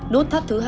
nút thắt thứ hai